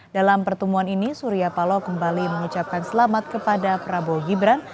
dalam pertemuan ini surya paloh kembali mengucapkan selamat kepada prabowo gibran